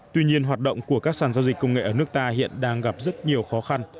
tuy nhiên hoạt động của các sàn giao dịch công nghệ ở nước ta hiện đang gặp rất nhiều khó khăn